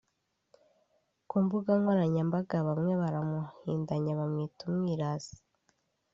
Ku mbuga nkoranyambaga bamwe baramuhindanya bamwita umwirasi